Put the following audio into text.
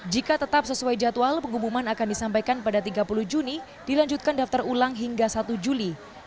jika tetap sesuai jadwal pengumuman akan disampaikan pada tiga puluh juni dilanjutkan daftar ulang hingga satu juli